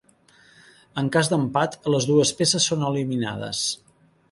En cas d'empat, les dues peces són eliminades.